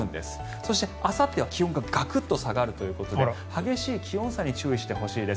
そして、あさってからは気温がガクッと下がるということで激しい気温差に注意してほしいです。